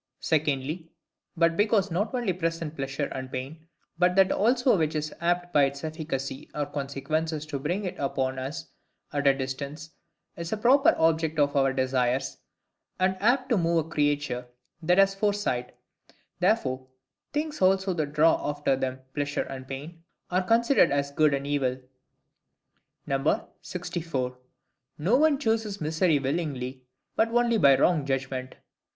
Secondly, But because not only present pleasure and pain, but that also which is apt by its efficacy or consequences to bring it upon us at a distance, is a proper object of our desires, and apt to move a creature that has foresight; therefore THINGS ALSO THAT DRAW AFTER THEM PLEASURE AND PAIN, ARE CONSIDERED AS GOOD AND EVIL. 64. No one chooses misery willingly, but only by wrong judgment.